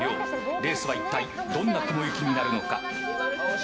レースは一体どんな雲行きになるのか。